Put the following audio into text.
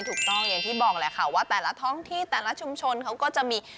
ถูกต้องอย่างที่บอกแหละค่ะว่าแต่ละท้องที่แต่ละชุมชนเขาก็จะมี